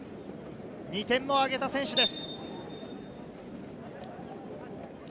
２点目を挙げた選手です。